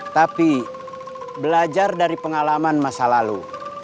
tapi belajar dari pengalaman masa lalu